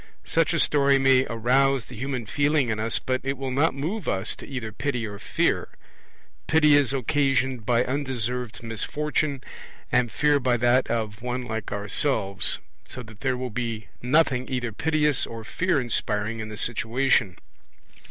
Such a story may arouse the human feeling in us, but it will not move us to either pity or fear; pity is occasioned by undeserved misfortune, and fear by that of one like ourselves; so that there will be nothing either piteous or fear inspiring in the situation.